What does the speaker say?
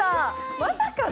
まさかの？